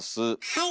はい。